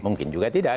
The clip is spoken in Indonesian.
mungkin juga tidak